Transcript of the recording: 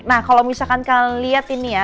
nah kalau misalkan kalian lihat ini ya